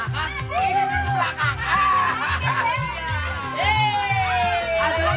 masuk masuk masuk masuk